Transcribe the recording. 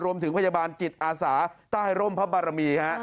รวมถึงพยาบาลจิตอาสาต้ายรมพบรมีฮะ